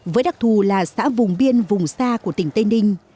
với đặc thù là xã vùng biên vùng xa của tỉnh tây ninh